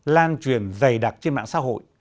lan truyền dày đặc trên mạng xã hội